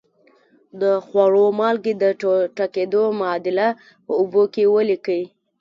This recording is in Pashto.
د خوړو مالګې د ټوټه کیدو معادله په اوبو کې ولیکئ.